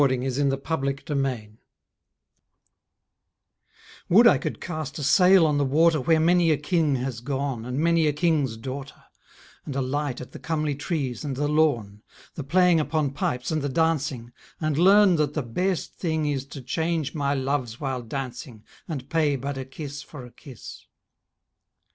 THE COLLAR BONE OF A HARE Would I could cast a sail on the water Where many a king has gone And many a king's daughter, And alight at the comely trees and the lawn, The playing upon pipes and the dancing, And learn that the best thing is To change my loves while dancing And pay but a kiss for a kiss.